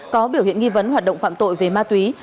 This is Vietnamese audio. có biểu hiện nghi vấn hoạt động phạm tội về ma túy